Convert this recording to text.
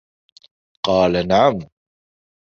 قال نعم.